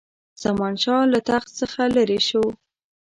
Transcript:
زمانشاه له تخت څخه لیري شو.